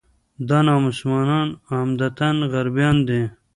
دا نامسلمانان عمدتاً غربیان دي.